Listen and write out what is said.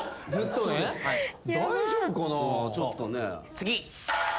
次。